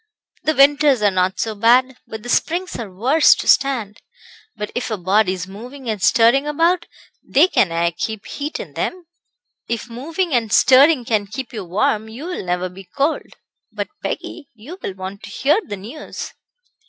"The winters are not so bad, but the springs are worse to stand. But if a body's moving and stirring about they can aye keep heat in them." "If moving and stirring can keep you warm you will never be cold. But, Peggy, you will want to hear the news."